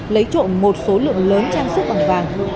lấy trộm một số lượng lớn trang sức bằng vàng